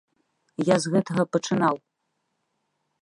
Я з гэтага пачынаў.